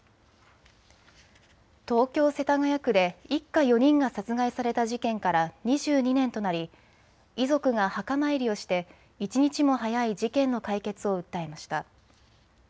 東京世田谷区で一家４人が殺害された事件から２２年となり遺族が墓参りをして一日も早い事件の解決を訴えました。